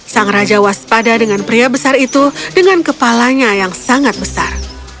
sang raja waspada dengan pria besar itu dengan kepalanya yang sangat besar